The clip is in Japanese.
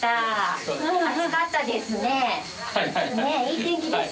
いい天気ですね。